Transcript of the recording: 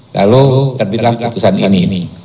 lalu terbitlah keputusan ini